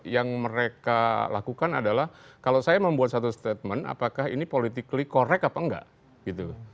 yang mereka lakukan adalah kalau saya membuat satu statement apakah ini politically correct apa enggak gitu